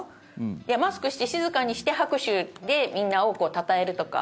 いや、マスクして静かにして拍手でみんなをたたえるとか。